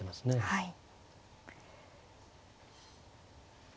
はい。